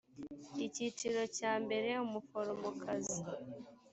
icyiciro cya mbere umuforomokazi